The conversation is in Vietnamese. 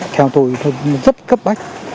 theo tôi rất cấp bách